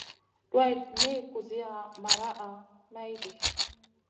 Duwayda niyn kusiya maraʼha maydi.